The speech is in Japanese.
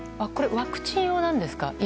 これ、ワクチン用なんですか？